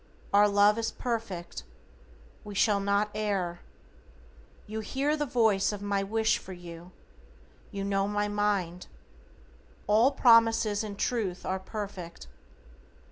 Our love is perfect. We shall not err. You hear the voice of my wish for you. You know my mind. All promises in truth are perfect.